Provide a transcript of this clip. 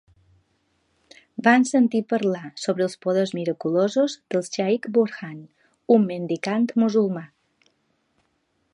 Van sentir parlar sobre els poders miraculosos de Shaikh Burhan, un mendicant musulmà.